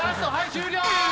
終了。